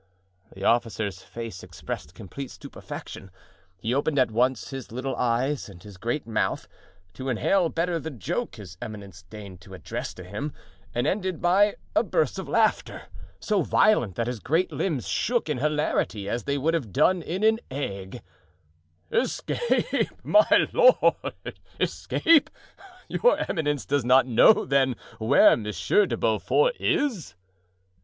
The officer's face expressed complete stupefaction. He opened at once his little eyes and his great mouth, to inhale better the joke his eminence deigned to address to him, and ended by a burst of laughter, so violent that his great limbs shook in hilarity as they would have done in an ague. "Escape! my lord—escape! Your eminence does not then know where Monsieur de Beaufort is?"